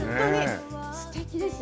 すてきです。